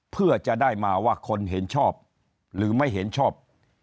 เพื่อจะได้มาว่าคนเห็นชอบหรือไม่เห็นชอบ